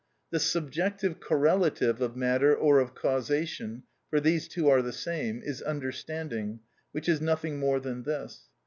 The subjective correlative of matter or of causation, for these two are the same, is understanding, which is nothing more than this.